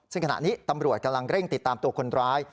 ซึ่งขณะนี้ตำรวจกำลังเร่งติดตามตัวคนร้าย